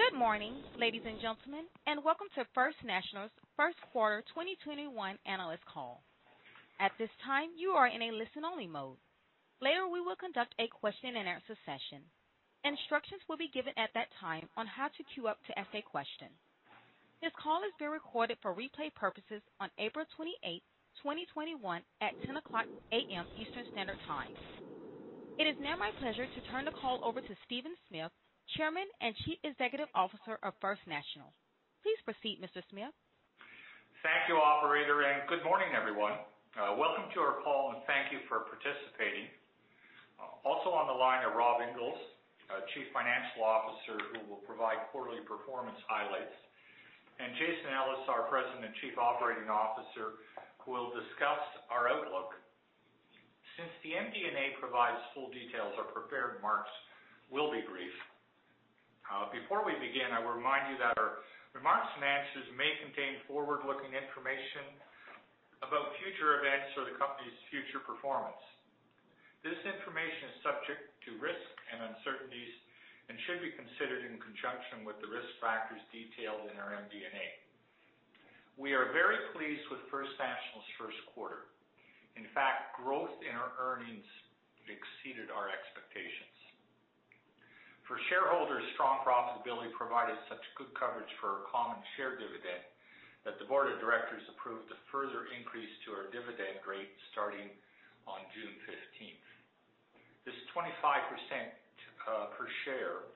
Good morning, ladies and gentlemen, and welcome to First National's first quarter 2021 analyst call. It is now my pleasure to turn the call over to Stephen Smith, Chairman and Chief Executive Officer of First National Financial. Please proceed, Mr. Smith. Thank you, operator, and good morning, everyone. Welcome to our call and thank you for participating. Also on the line are Rob Inglis, Chief Financial Officer, who will provide quarterly performance highlights, and Jason Ellis, our President and Chief Operating Officer, who will discuss our outlook. Since the MD&A provides full details, our prepared remarks will be brief. Before we begin, I will remind you that our remarks and answers may contain forward-looking information about future events or the company's future performance. This information is subject to risks and uncertainties and should be considered in conjunction with the risk factors detailed in our MD&A. We are very pleased with First National's first quarter. In fact, growth in our earnings exceeded our expectations. For shareholders, strong profitability provided such good coverage for our common share dividend that the board of directors approved a further increase to our dividend rate starting on June 15th. This 0.25 per share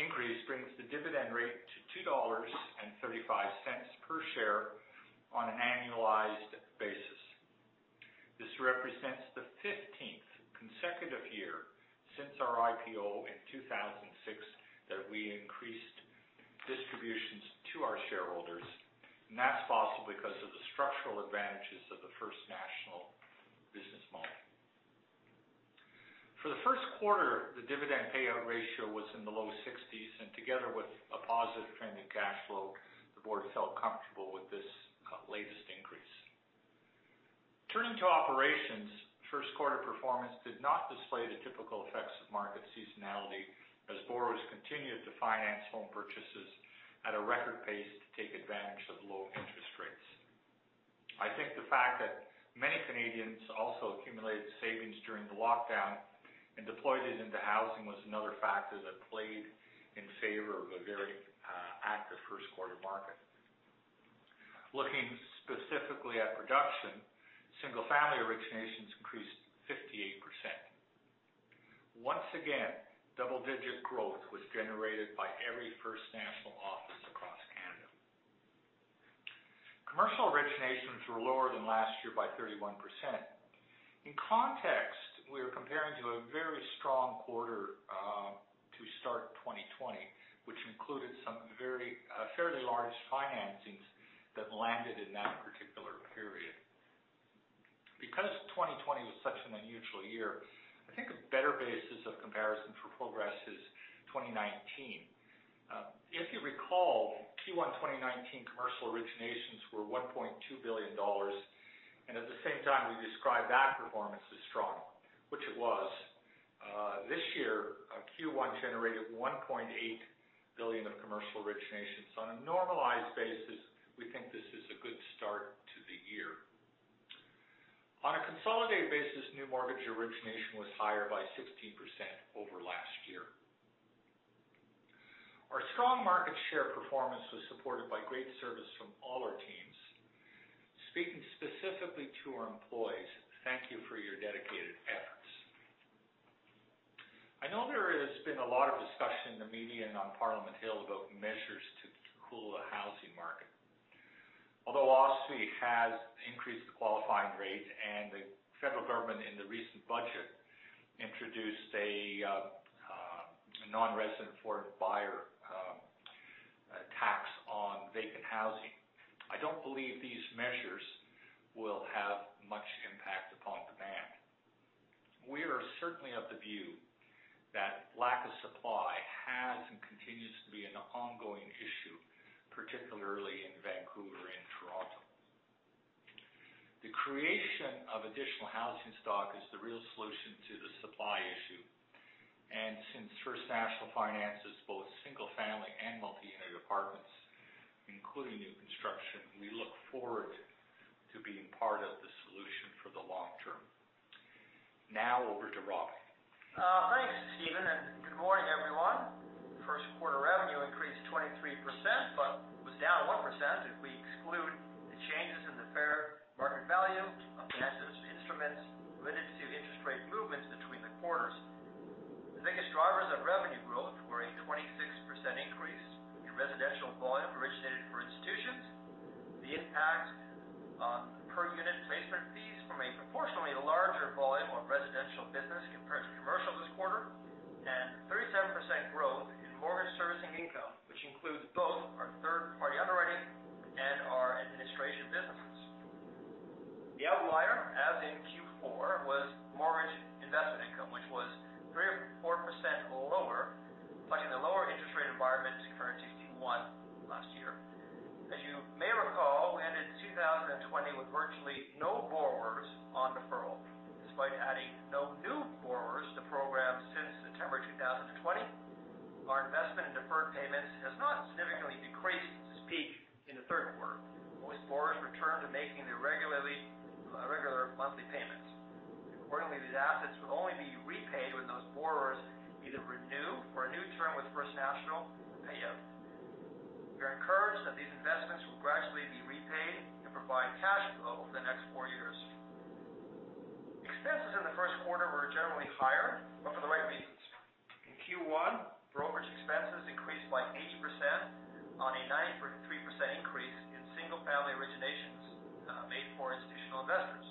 increase brings the dividend rate to 2.35 dollars per share on an annualized basis. This represents the 15th consecutive year since our IPO in 2006 that we increased distributions to our shareholders, and that's possible because of the structural advantages of the First National business model. For the first quarter, the dividend payout ratio was in the low 60s, and together with a positive trend in cash flow, the board felt comfortable with this latest increase. Turning to operations, first quarter performance did not display the typical effects of market seasonality as borrowers continued to finance home purchases at a record pace to take advantage of low interest rates. I think the fact that many Canadians also accumulated savings during the lockdown and deployed it into housing was another factor that played in favor of a very active first quarter market. Looking specifically at production, single-family originations increased 58%. Once again, double-digit growth was generated by every First National office across Canada. Commercial originations were lower than last year by 31%. In context, we are comparing to a very strong quarter to start 2020, which included some fairly large financings that landed in that particular period. Because 2020 was such an unusual year, I think a better basis of comparison for progress is 2019. If you recall, Q1 2019 commercial originations were 1.2 billion dollars, and at the same time, we described that performance as strong, which it was. This year, Q1 generated 1.8 billion of commercial originations. On a normalized basis, we think this is a good start to the year. On a consolidated basis, new mortgage origination was higher by 16% over last year. Our strong market share performance was supported by great service from all our teams. Speaking specifically to our employees, thank you for your dedicated efforts. I know there has been a lot of discussion in the media and on Parliament Hill about measures to cool the housing market. Although OSFI has increased the qualifying rate and the federal government in the recent budget introduced a non-resident foreign buyer tax on vacant housing, I don't believe these measures will have much impact upon demand. We are certainly of the view that lack of supply has and continues to be an ongoing issue, particularly in Vancouver and Toronto. The creation of additional housing stock is the real solution to the supply issue. Since First National finances both single-family and multi-unit apartments, including new construction, we look forward to being part of the solution for the long term. Now over to Rob. Thanks, Stephen, and good morning, everyone. First quarter revenue increased 23%, but was down 1% if we exclude the changes in the fair market value of financial instruments limited to interest rate movements between the quarters. The biggest drivers of revenue growth were a 26% increase in residential volume originated for institutions. The impact on per unit placement fees from a proportionally larger volume of residential business compared to commercial this quarter, and 37% growth in mortgage servicing income, which includes both our third-party underwriting and our administration businesses. The outlier, as in Q4, was mortgage investment income, which was 34% lower, reflecting deferral. Despite adding no new borrowers to the program since September 2020, our investment in deferred payments has not significantly decreased since peak in the third quarter, as borrowers return to making their regular monthly payments. Accordingly, these assets will only be repaid when those borrowers either renew for a new term with First National or pay up. We are encouraged that these investments will gradually be repaid and provide cash flow over the next four years. Expenses in the first quarter were generally higher, but for the right reasons. In Q1, brokerage expenses increased by 8% on a 93% increase in single-family originations made for institutional investors.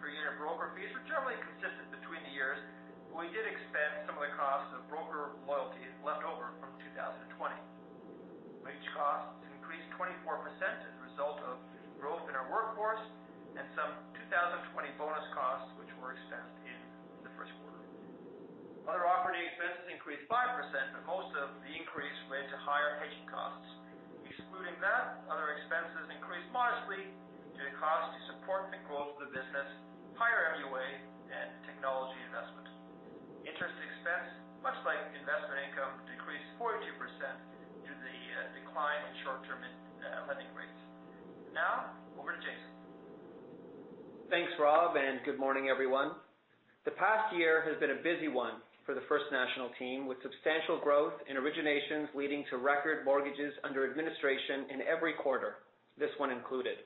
Per year broker fees were generally consistent between the years, but we did expend some of the costs of broker loyalty left over from 2020. Wage costs increased 24% as a result of growth in our workforce and some 2020 bonus costs, which were expensed in the first quarter. Other operating expenses increased 5%, but most of the increase went to higher hedging costs. Excluding that, other expenses increased modestly due to costs to support the growth of the business, higher MUA, and technology investment. Interest expense, much like investment income, decreased 42% due to the decline in short-term lending rates. Now, over to Jason. Thanks, Rob, and good morning, everyone. The past year has been a busy one for the First National team, with substantial growth in originations leading to record mortgages under administration in every quarter, this one included.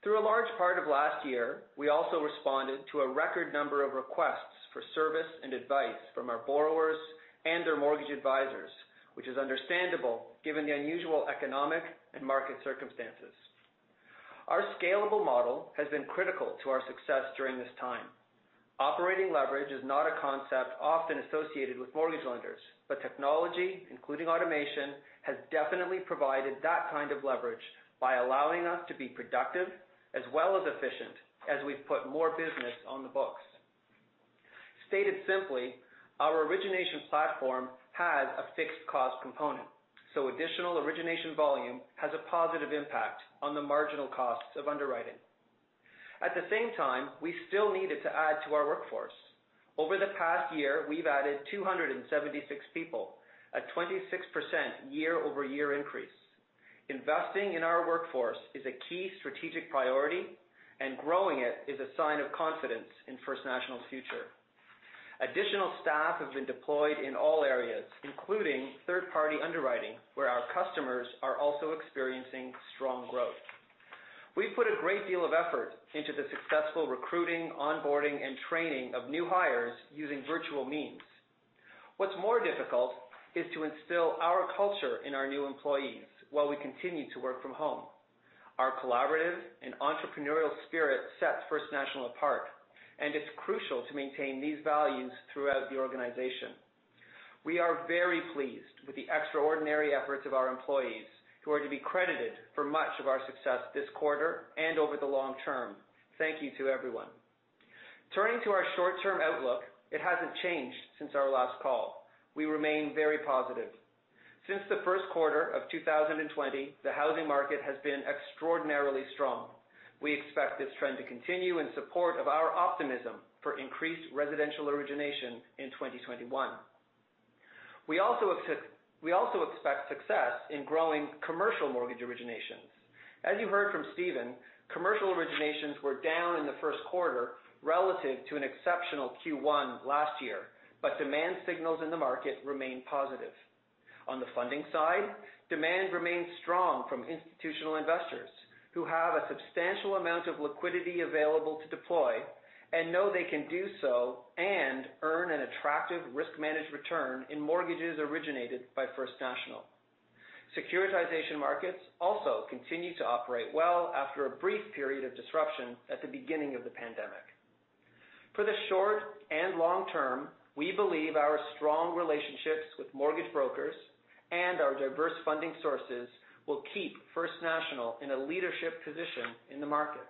Through a large part of last year, we also responded to a record number of requests for service and advice from our borrowers and their mortgage advisors, which is understandable given the unusual economic and market circumstances. Our scalable model has been critical to our success during this time. Operating leverage is not a concept often associated with mortgage lenders, but technology, including automation, has definitely provided that kind of leverage by allowing us to be productive as well as efficient as we've put more business on the books. Stated simply, our origination platform has a fixed cost component, so additional origination volume has a positive impact on the marginal costs of underwriting. At the same time, we still needed to add to our workforce. Over the past year, we've added 276 people, a 26% year-over-year increase. Investing in our workforce is a key strategic priority, and growing it is a sign of confidence in First National's future. Additional staff have been deployed in all areas, including third-party underwriting, where our customers are also experiencing strong growth. We've put a great deal of effort into the successful recruiting, onboarding, and training of new hires using virtual means. What's more difficult is to instill our culture in our new employees while we continue to work from home. Our collaborative and entrepreneurial spirit sets First National apart, and it's crucial to maintain these values throughout the organization. We are very pleased with the extraordinary efforts of our employees, who are to be credited for much of our success this quarter and over the long term. Thank you to everyone. Turning to our short-term outlook, it hasn't changed since our last call. We remain very positive. Since the first quarter of 2020, the housing market has been extraordinarily strong. We expect this trend to continue in support of our optimism for increased residential origination in 2021. We also expect success in growing commercial mortgage originations. As you heard from Stephen, commercial originations were down in the first quarter relative to an exceptional Q1 last year, but demand signals in the market remain positive. On the funding side, demand remains strong from institutional investors who have a substantial amount of liquidity available to deploy and know they can do so and earn an attractive risk-managed return in mortgages originated by First National. Securitization markets also continue to operate well after a brief period of disruption at the beginning of the pandemic. For the short and long term, we believe our strong relationships with mortgage brokers and our diverse funding sources will keep First National in a leadership position in the market.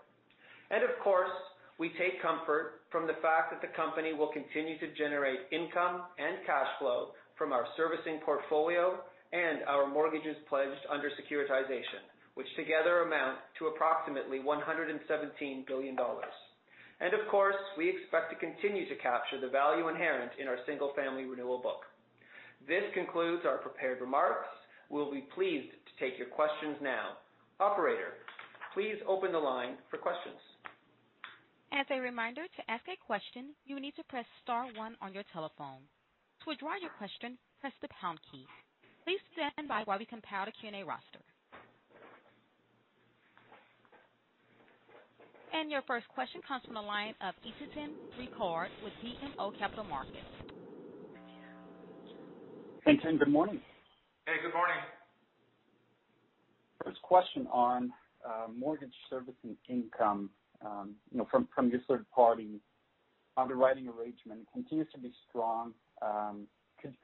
Of course, we take comfort from the fact that the company will continue to generate income and cash flow from our servicing portfolio and our mortgages pledged under securitization, which together amount to approximately 117 billion dollars. Of course, we expect to continue to capture the value inherent in our single-family renewal book. This concludes our prepared remarks. We'll be pleased to take your questions now. Operator, please open the line for questions. As a reminder, to ask a question, you need to press star one on your telephone. To withdraw your question, press the pound key. Please stand by while we compile a Q&A roster. Your first question comes from the line of Étienne Ricard with BMO Capital Markets. Thanks, and good morning. Hey, good morning. First question on mortgage servicing income. From your third-party underwriting arrangement continues to be strong.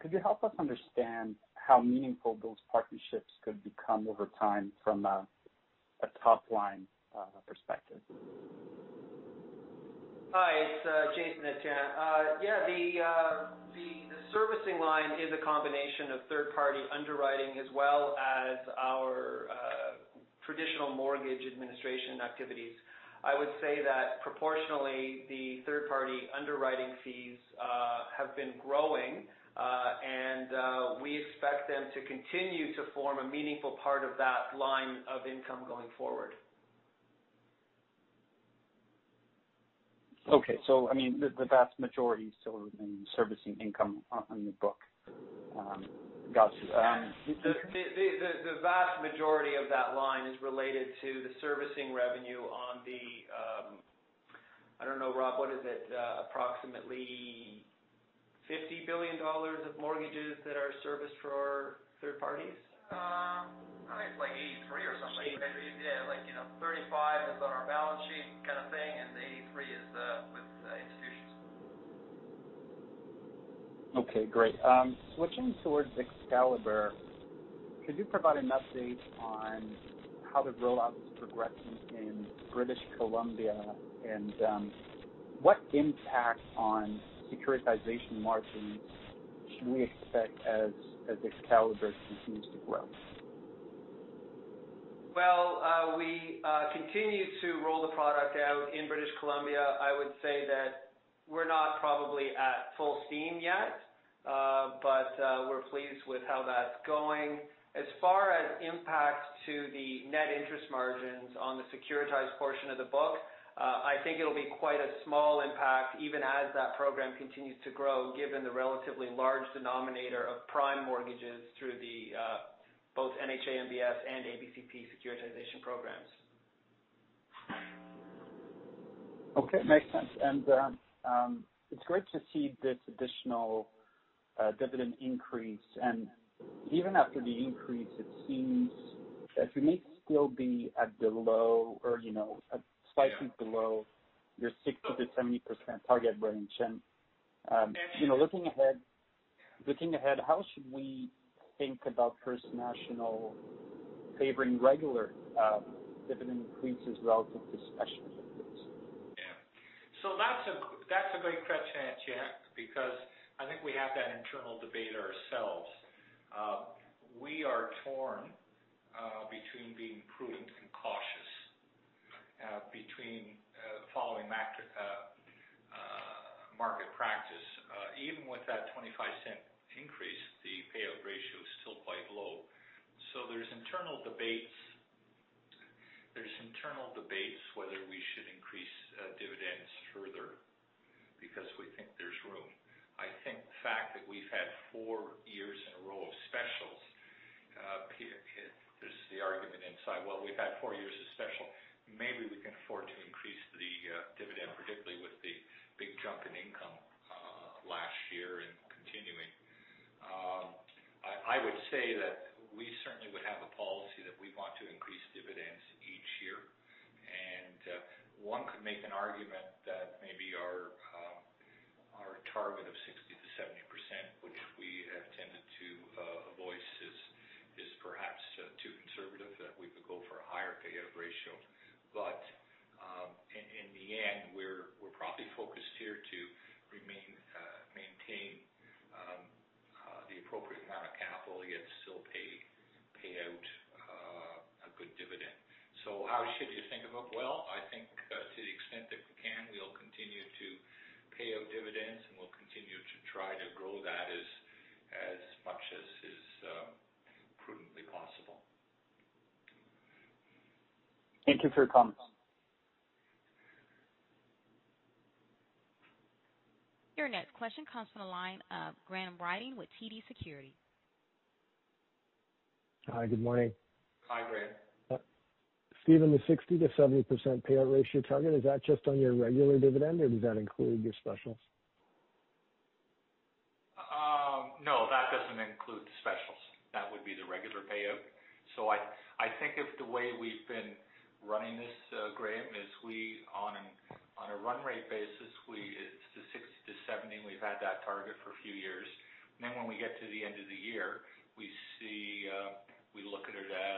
Could you help us understand how meaningful those partnerships could become over time from a top-line perspective? Hi, it's Jason. Yeah, the servicing line is a combination of third-party underwriting as well as our traditional mortgage administration activities. I would say that proportionally, the third-party underwriting fees have been growing, and we expect them to continue to form a meaningful part of that line of income going forward. Okay. I mean, the vast majority still remains servicing income on your book. Got you. The vast majority of that line is related to the servicing revenue on the, I don't know, Rob, what is it, approximately 50 billion dollars of mortgages that are serviced for our third parties? I think it's like 83 or something. $83. Yeah. Like 35 is on our balance sheet kind of thing, and the 83 is with institutions. Okay, great. Switching towards Excalibur, could you provide an update on how the rollout is progressing in British Columbia, and what impact on securitization margins should we expect as Excalibur continues to grow? Well, we continue to roll the product out in British Columbia. I would say that we're not probably at full steam yet. We're pleased with how that's going. As far as impact to the net interest margins on the securitized portion of the book, I think it'll be quite a small impact even as that program continues to grow given the relatively large denominator of prime mortgages through both NHA MBS and ABCP securitization programs. Okay. Makes sense. It's great to see this additional dividend increase, even after the increase, it seems as we may still be at the low or slightly below your 60%-70% target range. Looking ahead, how should we think about First National favoring regular dividend increases relative to special dividends? That's a great question, Étienne, because I think we have that internal debate ourselves. We are torn between being prudent and cautious, between following market practice. Even with that 0.25 increase, the payout ratio is still quite low. There's internal debates whether we should increase dividends further because we think there's room. I think the fact that we've had four years in a row of specials, there's the argument inside, "Well, we've had four years of special. Maybe we can afford to increase the dividend, particularly with the big jump in income last year and continuing. I would say that we certainly would have a policy that we want to increase dividends each year. One could make an argument that maybe our target of 60% to 70%, which we have tended to avoid, is perhaps too conservative, that we could go for a higher payout ratio. In the end, we're probably focused here to maintain the appropriate amount of capital, yet still pay out a good dividend. How should you think about? Well, I think to the extent that we can, we'll continue to pay out dividends. We'll continue to try to grow that as much as is prudently possible. Thank you for your comments. Your next question comes from the line of Graham Ryding with TD Securities. Hi. Good morning. Hi, Graham. Stephen, the 60%-70% payout ratio target, is that just on your regular dividend or does that include your specials? No, that doesn't include the specials. That would be the regular payout. I think of the way we've been running this, Graham, is we on a run rate basis, it's the 0.60-0.70. We've had that target for a few years. When we get to the end of the year, we look at it as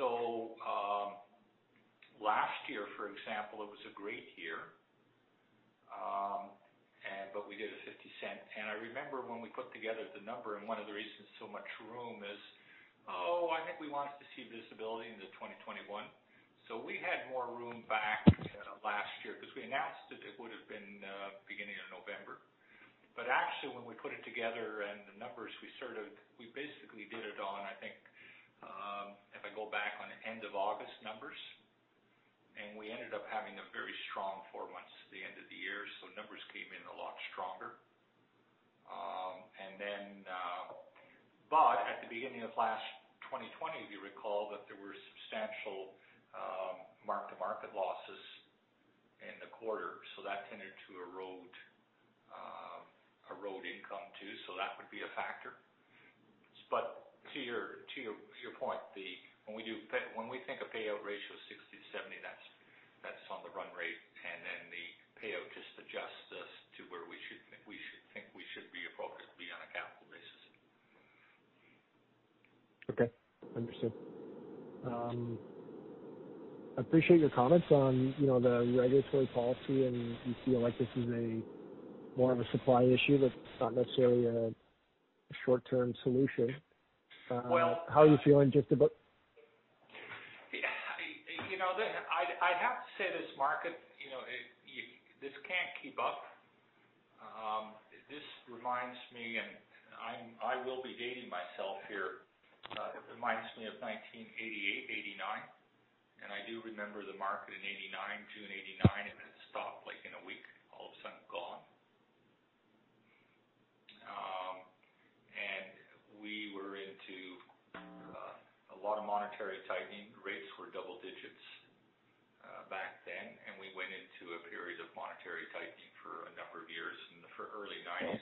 what capital do we need going forward, and then we do the special based on that. Last year, for example, it was a great year. We did a 0.50. I remember when we put together the number and one of the reasons so much room is, I think we wanted to see visibility into 2021. We had more room back last year because we announced it. It would've been beginning of November. Actually, when we put it together and the numbers, we basically did it on, I think, if I go back on end of August numbers. We ended up having a very strong four months at the end of the year. Numbers came in a lot stronger. At the beginning of last 2020, if you recall that there were substantial mark-to-market losses in the quarter. That tended to erode income too. That would be a factor. To your point, when we think of payout ratio of 60%-70%, that's on the run rate, and then the payout just adjusts us to where we think we should be appropriately on a capital basis. Okay. Understood. I appreciate your comments on the regulatory policy, and you feel like this is more of a supply issue that's not necessarily a short-term solution. Well- How are you feeling just about? I'd have to say this market, this can't keep up. This reminds me, I will be dating myself here. It reminds me of 1988, 1989, I do remember the market in June 1989, it stopped, like in a week, all of a sudden gone. We were into a lot of monetary tightening. Rates were double digits back then, we went into a period of monetary tightening for a number of years in the early 90s.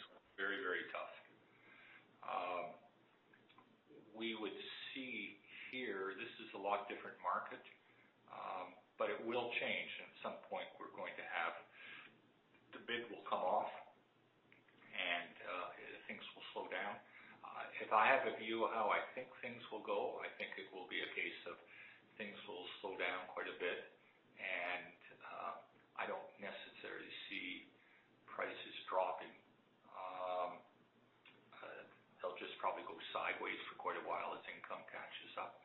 Very, very tough. We would see here, this is a lot different market. It will change. At some point, we're going to have the bid will come off. Things will slow down. If I have a view of how I think things will go, I think it will be a case of things will slow down quite a bit. I don't necessarily see prices dropping. They'll just probably go sideways for quite a while as income catches up.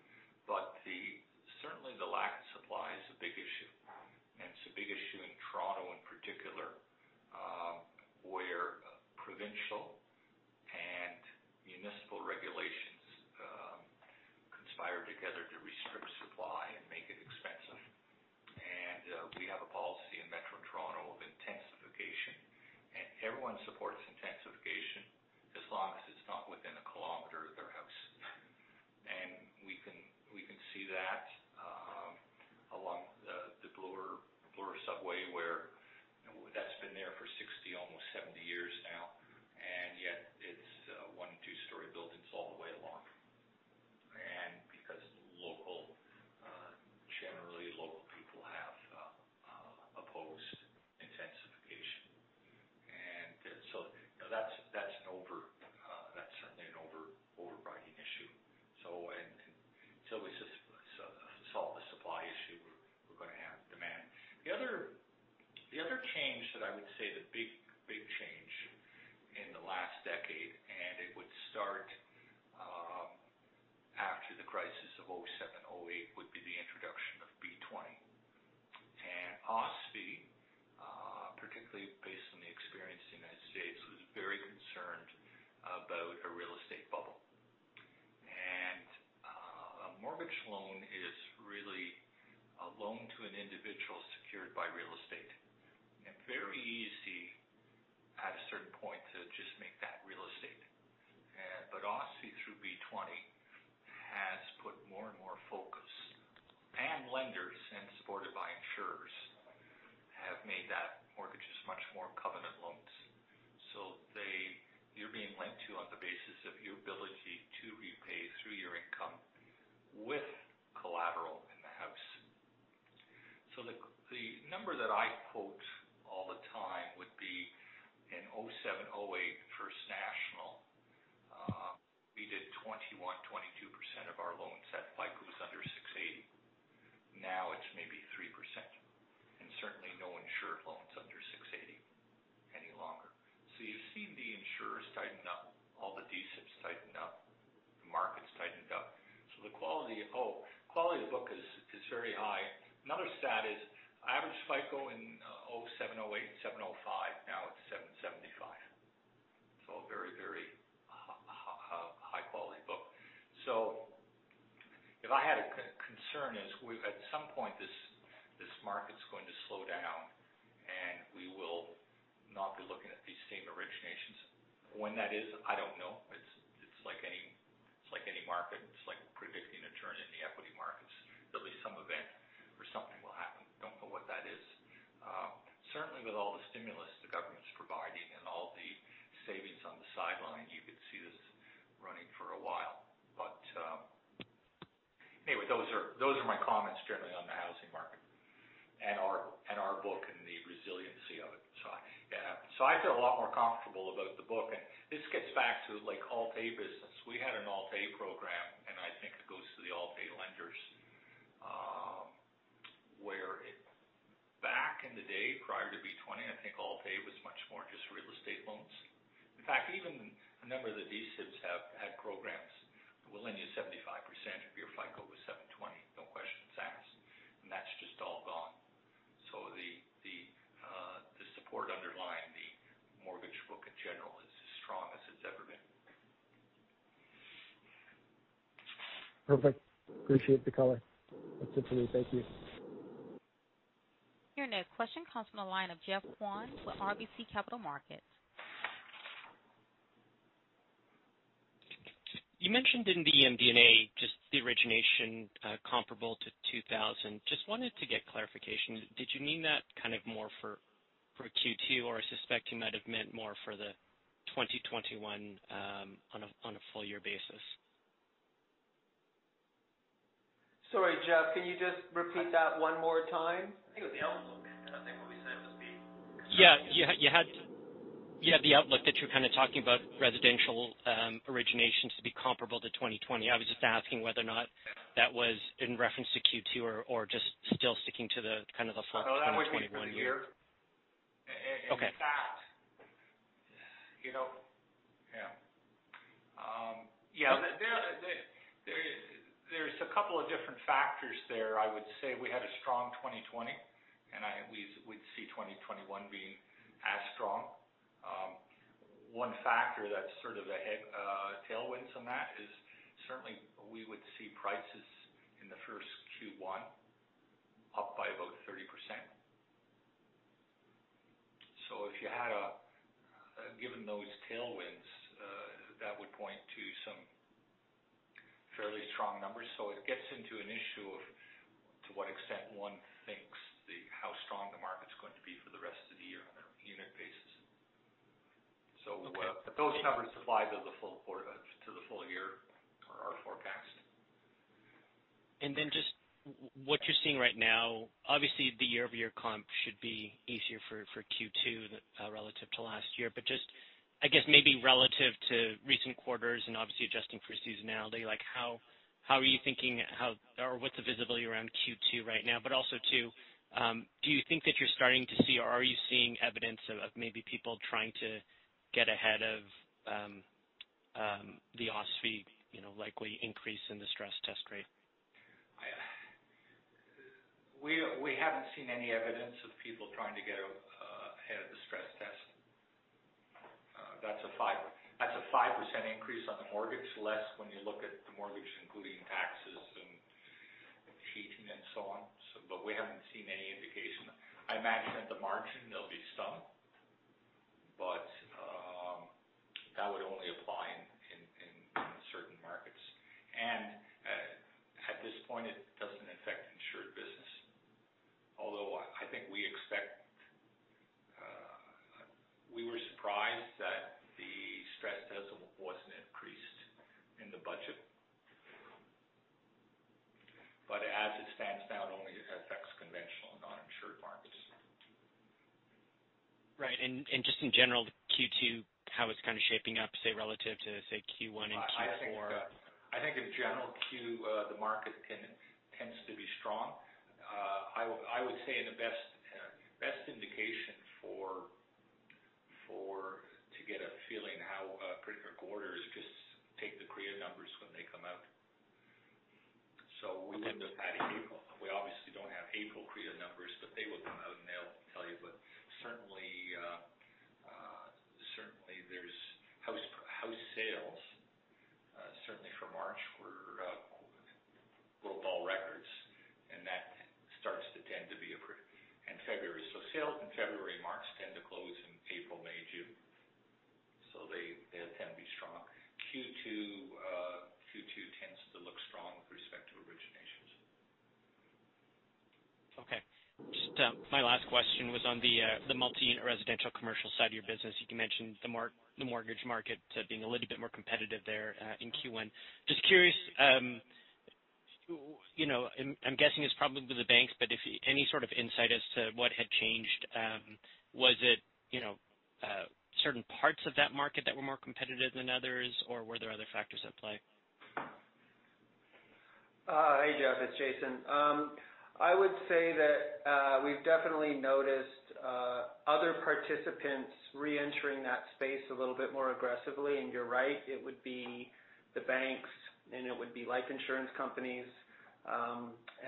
Certainly the lack of supply is a big issue. It's a big issue in Toronto in particular, where provincial and municipal regulations conspire together to restrict supply and make it expensive. We have a policy in Metro Toronto of intensification. Everyone supports intensification, as long as it's not within a kilometer of their house. We can see that along the Bloor subway, where that's been there for 60, almost 70 years now, and yet it's one and two-story buildings all the way along. Because generally local people have opposed intensification. That's certainly an overriding issue. So until we solve the supply issue, we're going to have demand. The other change that I would say the big change in the last decade, and it would start after the crisis of 2007, 2008, would be the introduction of B-20. OSFI, particularly based on the experience in the U.S., was very concerned about a real estate bubble. A mortgage loan is really a loan to an individual secured by real estate, and very easy, at a certain point, to just make that real estate. OSFI through B-20 has put more and more focus, and lenders, and supported by insurers, have made that mortgage as much more covenant loans. You're being lent to on the basis of your ability to repay through your income with collateral in the house. The number that I quote all the time would be in 2007, 2008, First National, we did 21, 22% of our loans at FICO was under 680. Now it's maybe 3%, and certainly no insured loans under 680 any longer. You've seen the insurers tighten up, all the D-SIBs tighten up, the markets tightened up. The quality of book is very high. Another stat is average FICO in 2007, 2008 is 705. Now it's 775. A very high-quality book. If I had a concern is at some point this market's going to slow down, and we will not be looking at these same originations. When that is, I don't know. It's like any market. It's like predicting a turn in the equity markets. There'll be some event where something will happen. Don't know what that is. Certainly, with all the stimulus the government's providing and all the savings on the sideline, you could see this running for a while. Anyway, those are my comments generally on the housing market and our book and the resiliency of it. I feel a lot more comfortable about the book, and this gets back to Alt-A business. We had an Alt-A program, and I think it goes to the Alt-A lenders, where back in the day, prior to B-20, I think Alt-A was much more just real estate loans. In fact, even a number of the D-SIBs have had programs that will lend you 75% if your FICO was 720, no questions asked, and that's just all gone. The support underlying the mortgage book in general is as strong as it's ever been. Perfect. Appreciate the color. That's it for me. Thank you. Your next question comes from the line of Geoff Kwan with RBC Capital Markets. You mentioned in the MD&A just the origination comparable to 2000. Just wanted to get clarification. Did you mean that kind of more for Q2, or I suspect you might have meant more for the 2021 on a full year basis? Sorry, Geoff, can you just repeat that one more time? I think it was the outlook. I think what we said was. Yeah. You had the outlook that you're kind of talking about residential originations to be comparable to 2020. I was just asking whether or not that was in reference to Q2 or just still sticking to the kind of the full 2021 year. In fact. There's a couple of different factors there. I would say we had a strong 2020, and we'd see 2021 being as strong. One factor that's sort of a tailwinds on that is certainly we would see prices in the first Q1 up by about 30%. Given those tailwinds, that would point to some fairly strong numbers. It gets into an issue of to what extent one thinks how strong the market's going to be for the rest of the year on a unit basis. Okay. Those numbers apply to the full year or our forecast. Just what you're seeing right now, obviously the year-over-year comp should be easier for Q2 relative to last year. Just, I guess maybe relative to recent quarters and obviously adjusting for seasonality, how are you thinking or what's the visibility around Q2 right now, but also too, do you think that you're starting to see or are you seeing evidence of maybe people trying to get ahead of the OSFI likely increase in the stress test rate? We haven't seen any evidence of people trying to get ahead of the stress test. That's a 5% increase on the mortgage, less when you look at the mortgage, including taxes and heating and so on. We haven't seen any indication. I imagine at the margin there'll be some, but that would only apply in certain markets. At this point it doesn't affect insured business. Although I think we were surprised that the stress test wasn't increased in the budget. As it stands now, it only affects conventional non-insured markets. Right. Just in general, Q2, how it's kind of shaping up, say, relative to, say, Q1 and Q4? I think in general, the market tends to be strong. I would say the best indication to get a feeling how a particular quarter is just take the CREA numbers when they come out. We obviously don't have April CREA numbers, they will come out and they'll tell you. Certainly there's house sales certainly for March were global records, and that starts to tend to be approved in February. Sales in February, March tend to close in April, May, June. They tend to be strong. Q2 tends to look strong with respect to originations. Okay. Just my last question was on the multi-unit residential commercial side of your business. You mentioned the mortgage market being a little bit more competitive there in Q1. Just curious, I'm guessing it's probably the banks, any sort of insight as to what had changed? Was it certain parts of that market that were more competitive than others, or were there other factors at play? Hey, Geoff, it's Jason. I would say that we've definitely noticed other participants re-entering that space a little bit more aggressively. You're right, it would be the banks, and it would be life insurance companies.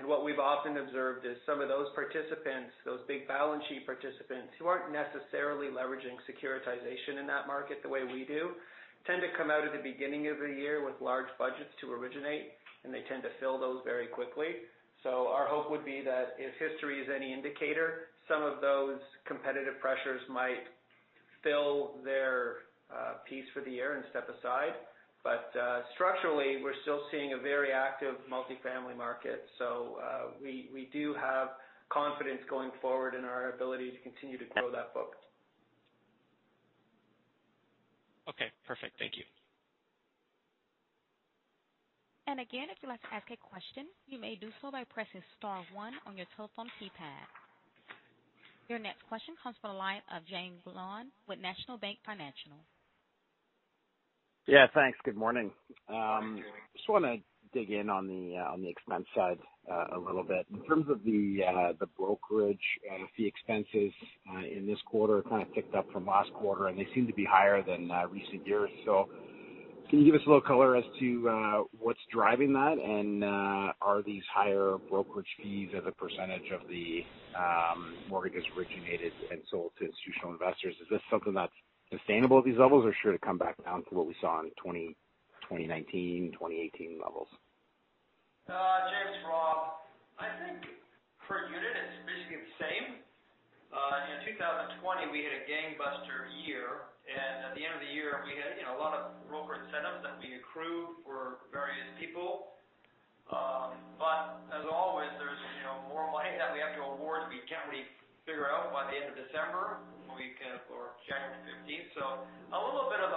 What we've often observed is some of those participants, those big balance sheet participants who aren't necessarily leveraging securitization in that market the way we do, tend to come out at the beginning of the year with large budgets to originate, and they tend to fill those very quickly. Our hope would be that if history is any indicator, some of those competitive pressures might fill their piece for the year and step aside. Structurally, we're still seeing a very active multi-family market. We do have confidence going forward in our ability to continue to grow that book. Okay, perfect. Thank you. Again, if you'd like to ask a question, you may do so by pressing star one on your telephone keypad. Your next question comes from the line of Jaeme Gloyn with National Bank Financial. Yeah, thanks. Good morning. Good morning, Jaeme. Just want to dig in on the expense side a little bit. In terms of the brokerage fee expenses in this quarter kind of ticked up from last quarter, and they seem to be higher than recent years. Can you give us a little color as to what's driving that, and are these higher brokerage fees as a percentage of the mortgages originated and sold to institutional investors? Is this something that's sustainable at these levels, or sure to come back down to what we saw in 2019, 2018 levels? Jaeme, Rob. I think per unit it's basically the same. In 2020, we had a gangbuster year, and at the end of the year we had a lot of brokerage setups that we accrued for various people. As always, there's more money that we have to award that we can't really figure out by the end of December or January 15th. A little bit of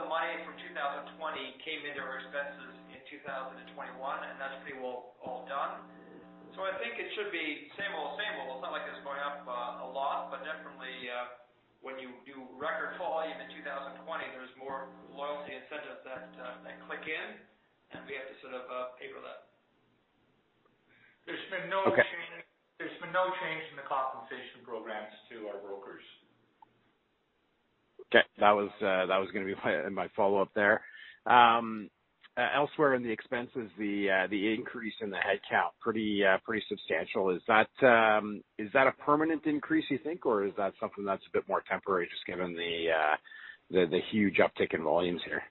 2021, and that's pretty well all done. I think it should be same old, same old. It's not like it's going up a lot, but definitely when you do record volume in 2020, there's more loyalty incentives that click in, and we have to sort of paper that. Okay. There's been no change in the compensation programs to our brokers. Okay. That was going to be my follow-up there. Elsewhere in the expenses, the increase in the headcount, pretty substantial. Is that a permanent increase, you think, or is that something that's a bit more temporary, just given the huge uptick in volumes here?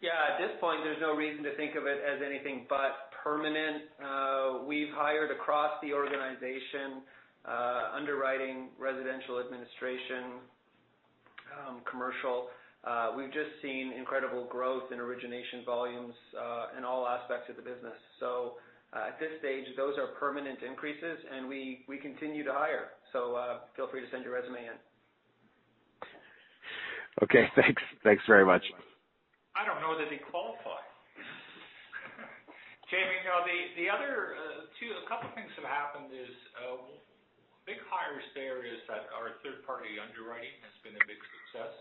Yeah. At this point, there's no reason to think of it as anything but permanent. We've hired across the organization, underwriting, residential administration, commercial. We've just seen incredible growth in origination volumes in all aspects of the business. At this stage, those are permanent increases, and we continue to hire. Feel free to send your resume in. Okay, thanks. Thanks very much. I don't know that they qualify. Jaeme, a couple things have happened is, big hires there is that our third-party underwriting has been a big success.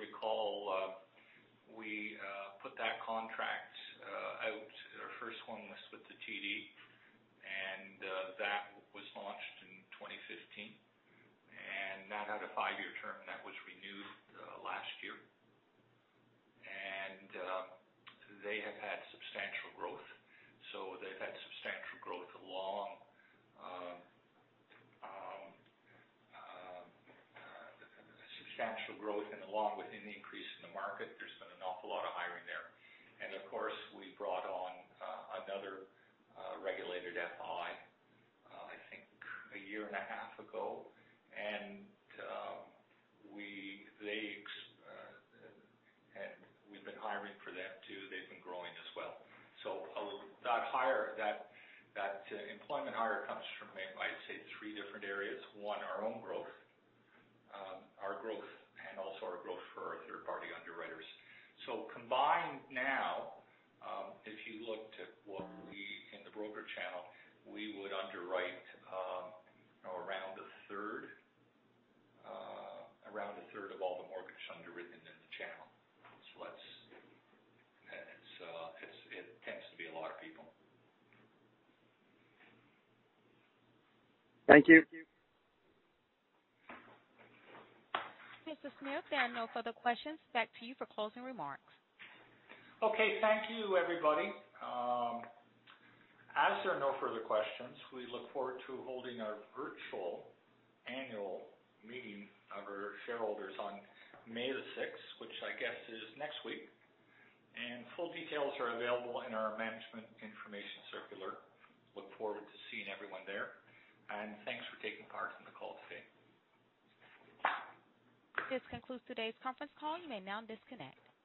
If you recall, we put that contract out. Our first one was with the TD, and that was launched in 2015. That had a five-year term, and that was renewed last year. They have had substantial growth. They've had substantial growth and along with an increase in the market, there's been an awful lot of hiring there. Of course, we brought on another regulated FI, I think a year and a half ago. We've been hiring for them, too. They've been growing as well. That employment hire comes from, I'd say, three different areas. One, our own growth, our growth, and also our growth for our third-party underwriters. Combined now, if you looked at what we, in the broker channel, we would underwrite around a third of all the mortgages underwritten in the channel. It tends to be a lot of people. Thank you. Mr. Smith, there are no further questions. Back to you for closing remarks. Okay. Thank you, everybody. As there are no further questions, we look forward to holding our virtual annual meeting of our shareholders on May the 6th, which I guess is next week, and full details are available in our management information circular. Look forward to seeing everyone there, and thanks for taking part in the call today. This concludes today's conference call. You may now disconnect.